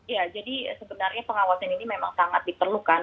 ya jadi sebenarnya pengawasan ini memang sangat diperlukan